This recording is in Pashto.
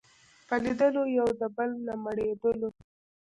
په لیدلو یو د بل نه مړېدلو